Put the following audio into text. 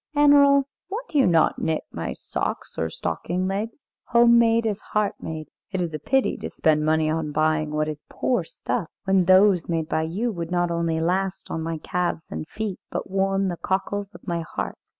"Annerl, why do you not knit my socks or stocking legs? Home made is heart made. It is a pity to spend money on buying what is poor stuff, when those made by you would not only last on my calves and feet, but warm the cockles of my heart."